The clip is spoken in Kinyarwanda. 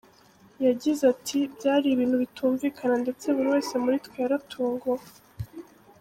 Yagize ati “Byari ibintu bitumvikana ndetse buri wese muri twe yaratunguwe.